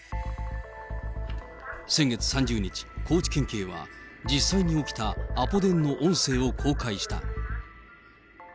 先月３０日、高知県警は、実際に起きたアポ電の音声を公開した。